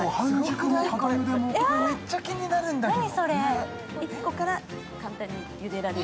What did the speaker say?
めっちゃ気になるんだけど。